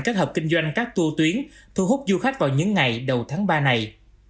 các hợp kinh doanh các tua tuyến thu hút du khách vào những ngày đầu tháng ba này